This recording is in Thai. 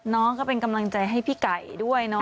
ก็เป็นกำลังใจให้พี่ไก่ด้วยเนาะ